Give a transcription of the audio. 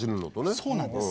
そうなんです。